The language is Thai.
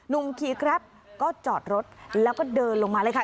นุ่มขี่ครับก็จอดรถแล้วก็เดินลงมาเลยค่ะ